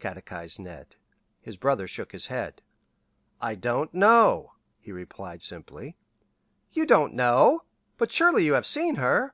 catechized Ned. His brother shook his head. "I don't know," he replied simply. "You don't know! But, surely you have seen her!"